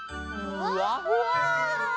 ふわふわ！